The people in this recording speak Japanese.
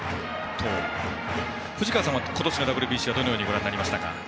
藤川さんは今年のＷＢＣどうご覧になりましたか。